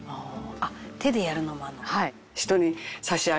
「あっ手でやるのもあるの」